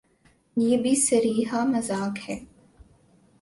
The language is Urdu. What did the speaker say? یہ بھی صریحا مذاق ہے۔